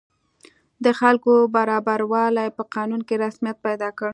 د خلکو برابروالی په قانون کې رسمیت پیدا کړ.